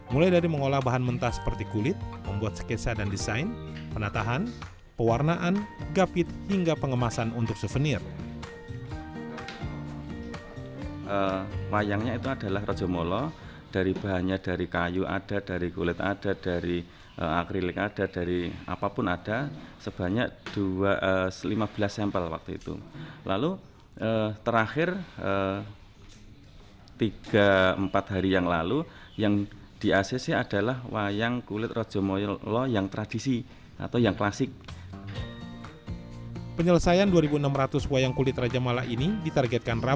mulai dari mengolah bahan mentah seperti kulit membuat skesa dan desain penatahan pewarnaan gapit hingga pengemasan untuk souvenir